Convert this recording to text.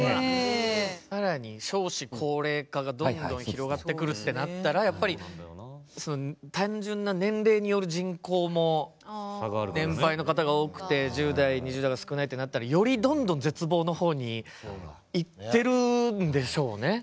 さらに少子高齢化がどんどん広がってくるってなったらやっぱり単純な年齢による人口も年配の方が多くて１０代２０代が少ないってなったらよりどんどん絶望のほうにいってるんでしょうね。